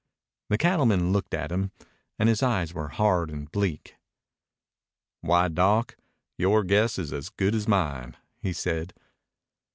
The cattleman looked at him, and his eyes were hard and bleak. "Why, Doc, yore guess is as good as mine." he said.